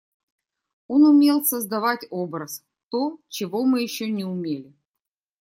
Он умел создавать образ, то, чего мы еще не умели.